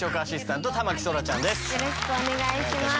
よろしくお願いします。